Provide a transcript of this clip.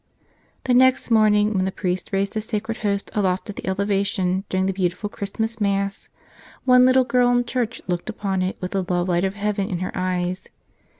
The next morning when the priest raised the Sacred Host aloft at the elevation, during the beautiful Christ¬ mas Mass, one little girl in church looked upon It with the love light of heaven in her eyes.